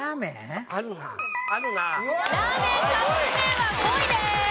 ラーメンカップ麺は５位です。